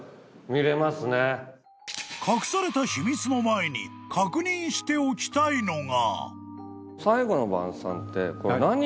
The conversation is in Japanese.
［隠された秘密の前に確認しておきたいのが］